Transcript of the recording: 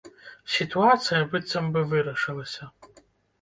Сітуацыя, быццам бы, вырашылася.